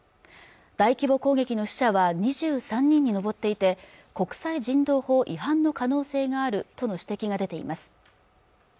大規模攻撃の死者は２３人に上っていて国際人道法違反の可能性があるとの指摘が出ています